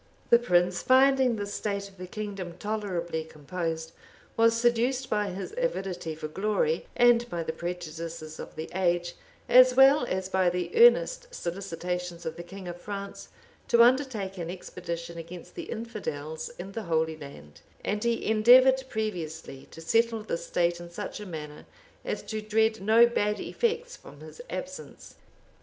{1270.} The prince, finding the state of the kingdom tolerably composed, was seduced by his avidity for glory, and by the prejudices of the age, as well as by the earnest solicitations of the king of France, to undertake an expedition against the infidels in the Holy Land;[*] and he endeavored previously to settle the state in such a manner, as to dread no bad effects from his absence.